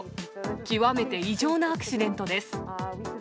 極めて異常なアクシデントです。